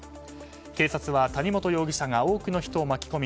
警察は谷本容疑者が多くの人を巻き込み